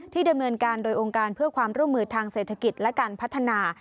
ดำเนินการโดยองค์การเพื่อความร่วมมือทางเศรษฐกิจและการพัฒนา